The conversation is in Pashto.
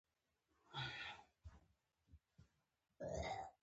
زیاتره تنکي ماشومان یې ښوونځیو ته ځي او نوي ځوانان فارغ دي.